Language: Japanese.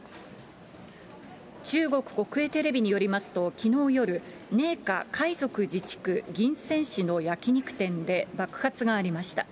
中国国営テレビによりますと、きのう夜、寧夏回族自治区銀川市の焼き肉店で爆発がありました。